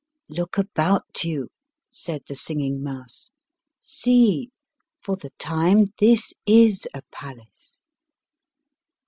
"Look about you," said the Singing Mouse. "See, for the time this is a palace."